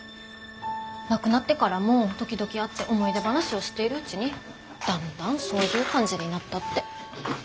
亡くなってからも時々会って思い出話をしているうちにだんだんそういう感じになったって。